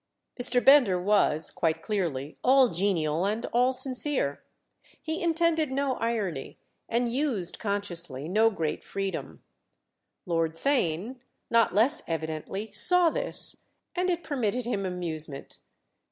Mr. Bender was, quite clearly, all genial and all sincere; he intended no irony and used, consciously, no great freedom. Lord Theign, not less evidently, saw this, and it permitted him amusement.